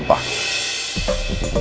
boleh dipihang dong